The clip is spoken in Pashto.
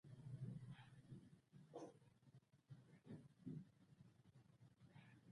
بل د شاه جوی د کلاخېلو ګودر و.